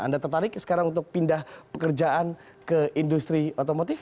anda tertarik sekarang untuk pindah pekerjaan ke industri otomotif